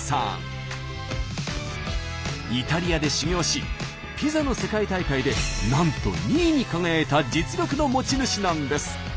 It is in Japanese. イタリアで修業しピザの世界大会でなんと２位に輝いた実力の持ち主なんです。